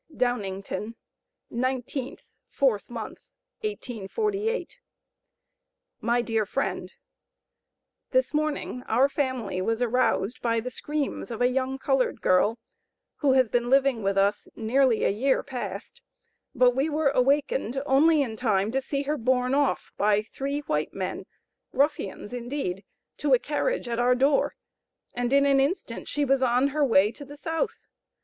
DOWNINGTOWN, 19th, 4th mo., 1848. "My Dear Friend: This morning our family was aroused by the screams of a young colored girl, who has been living with us nearly a year past; but we were awakened only in time to see her borne off by three white men, ruffians indeed, to a carriage at our door, and in an instant she was on her way to the South.